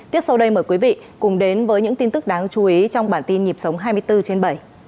tiếp sau đây mời quý vị cùng đến với những tin tức đáng chú ý trong bản tin nhịp sống hai mươi bốn trên bảy